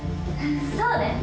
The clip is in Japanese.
そうね。